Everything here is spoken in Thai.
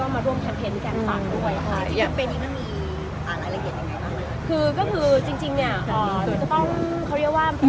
ก็มาร่วมที่เป็นแคมเปญบัตรรอฟังด้วย